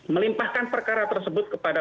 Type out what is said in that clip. melimpahkan perkara tersebut kepada